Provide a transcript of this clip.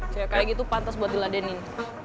kayak gitu pantas buat diladenin